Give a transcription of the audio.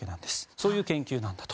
そういう研究なんだと。